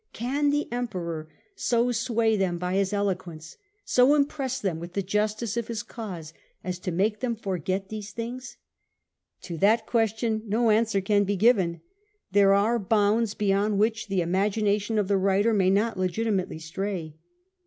Can the Emperor so sway them by his eloquence, so impress them with the justice of his cause, as to make them forget these things ? To that question no answer can be given : there are bounds beyond which the imagination of the writer may not legitimately stray.